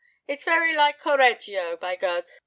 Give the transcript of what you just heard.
it's very like Correggio, by Gode!"